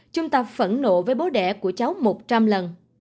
chúng ta phẫn nộ với bố đẻ của cháu một trăm linh lần